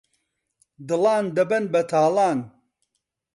دڵان دەبەن بەتاڵان